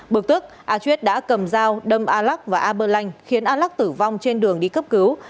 bực tức a chuyết đã cầm dao đâm a lắc và a bơ lanh khiến a lắc tử vong trên đường đi cấp cứu